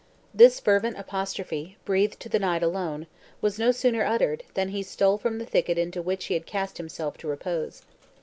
This fervant apostrophe, breathed to the night alone, was no sooner uttered, than he stole from the thicket into which he had cast himself to respose.